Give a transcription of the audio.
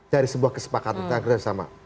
dari sebuah kesepakatan kita harus bersama